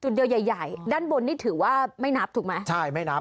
เดียวใหญ่ใหญ่ด้านบนนี่ถือว่าไม่นับถูกไหมใช่ไม่นับ